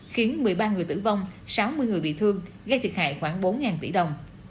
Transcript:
khiến một mươi ba người tử vong sáu mươi người bị thương gây thiệt hại khoảng bốn tỷ đồng